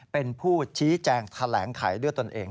เป็นผู้ชี้แจงแถลงไขด้วยตนเอง